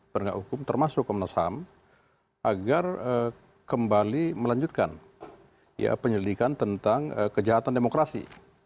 penegak hukum termasuk komnas ham agar kembali melanjutkan penyelidikan tentang kejahatan demokrasi